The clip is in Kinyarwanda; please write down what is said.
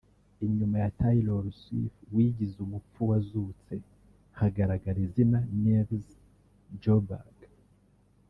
Inyuma ya Taylor Swift (wigize umupfu wazutse) hagaragara izina Nils Sjoberg